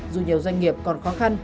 dù nhiều doanh nghiệp còn khó khăn